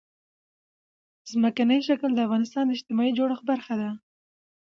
ځمکنی شکل د افغانستان د اجتماعي جوړښت برخه ده.